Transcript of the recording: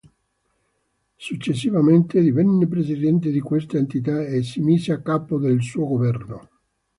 Successivamente divenne presidente di questa entità e si mise a capo del suo governo.